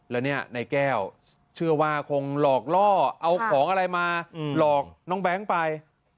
แล้วเนี่ยนายแก้วเชื่อว่าคงหลอกล่อเอาของอะไรมาหลอกน้องแบงค์ไป